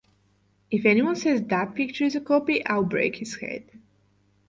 If anyone says that picture is a copy I'll break his head!